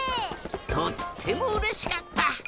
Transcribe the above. とってもうれしかった！